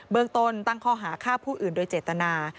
เมืองต้นตั้งข้อหาฆ่าผู้อื่นโดยเจตนา